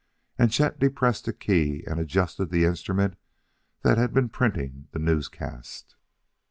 And Chet depressed a key and adjusted the instrument that had been printing the newscast.